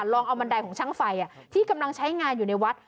ลองเอาบันไดของช่างไฟที่กำลังใช้งานอยู่ในวัด